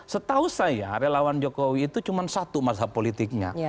setahu saya relawan jokowi itu cuma satu masa politiknya